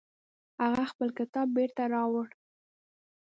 هغې خپل کتاب بیرته راوړ